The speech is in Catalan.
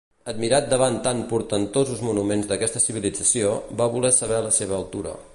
Admirat davant tan portentosos monuments d'aquesta civilització, va voler saber la seva altura.